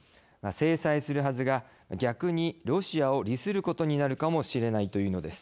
制裁するはずが逆にロシアを利することになるかもしれないというのです。